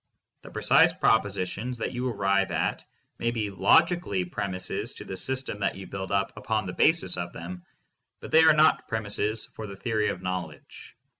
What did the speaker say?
The pre cise propositions that you arrive at may be logically prem ises to the system that you build up upon the basis of them, but they are not premises for the theory of knowledge.